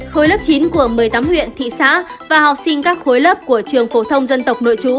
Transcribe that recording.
khối lớp chín của một mươi tám huyện thị xã và học sinh các khối lớp của trường phổ thông dân tộc nội trú